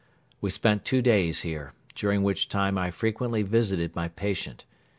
We spent two days here, during which time I frequently visited my patient.